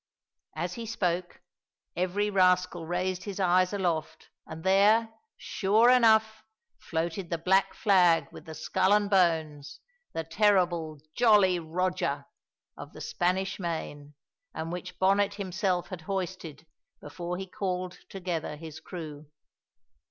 As he spoke, every rascal raised his eyes aloft, and there, sure enough, floated the black flag with the skull and bones the terrible "Jolly Roger" of the Spanish Main, and which Bonnet himself had hoisted before he called together his crew.